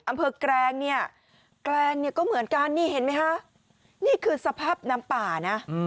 แกรงเนี่ยแกรงเนี่ยก็เหมือนกันนี่เห็นไหมคะนี่คือสภาพน้ำป่านะ